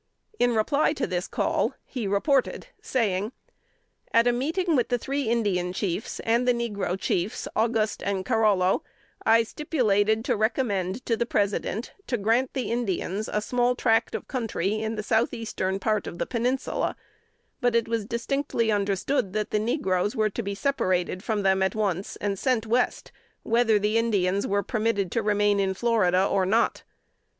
In reply to this call, he reported, saying, "At a meeting with the three Indian chiefs, and the negro chiefs, Auguste and Carollo, I stipulated to recommend to the President to grant the Indians a small tract of country in the south eastern part of the Peninsula; but it was distinctly understood that the negroes were to be separated from them at once, and sent West, whether the Indians were permitted to remain in Florida or not.